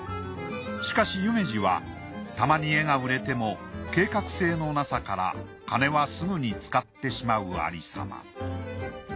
しかし夢二はたまに絵が売れても計画性の無さから金はすぐに使ってしまうありさま。